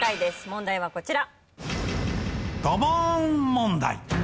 問題はこちら。